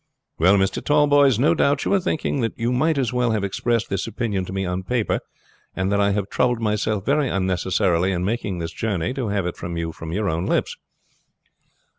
"Well, Mr. Tallboys, no doubt you are thinking that you might as well have expressed this opinion to me on paper, and that I have troubled myself very unnecessarily in making this journey to have it from your own lips."